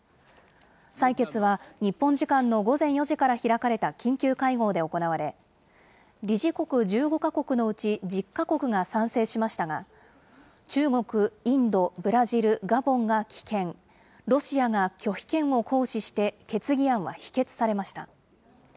採決は日本時間の午前４時から開かれた緊急会合で行われ、理事国１５か国のうち１０か国が賛成しましたが、中国、インド、ブラジル、ガボンが棄権、ロシアが拒否権を行使して、決議案は否決されました。